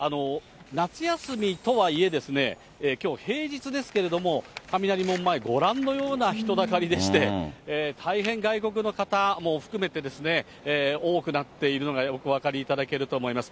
夏休みとはいえですね、きょう、平日ですけれども、雷門前、ご覧のような人だかりでして、大変、外国の方も含めて、多くなっているのがお分かりいただけると思います。